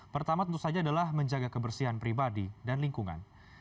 pertama tentu saja adalah menjaga kebersihan pribadi dan lingkungan